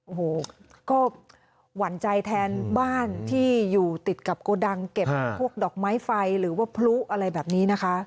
โอ้โหก็หวั่นใจแทนบ้านที่อยู่ติดกับโกดังเก็บพวกดอกไม้ไฟหรือว่าพลุอะไรแบบนี้นะคะ